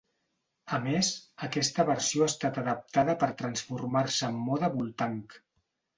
A més, aquesta versió ha estat adaptada per transformar-se en mode Voltank.